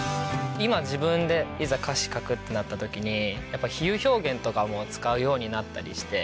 今自分でいざ歌詞書くってなった時に比喩表現とかも使うようになったりして。